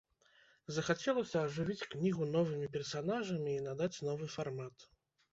Захацелася ажывіць кнігу новымі персанажамі і надаць новы фармат.